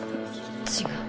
違う。